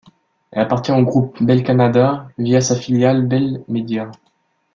Elle appartient au groupe Bell Canada, via sa filiale Bell Media.